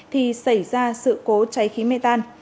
thì xảy ra sự cố cháy khí mê tan